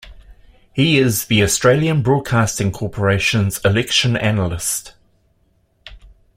He is the Australian Broadcasting Corporation's election analyst.